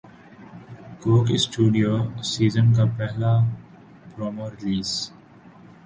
کوک Studio season کا پہلا promo release